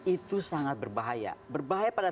itu sangat berbahaya berbahaya pada